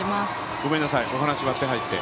ごめんなさい、お話に割って入って。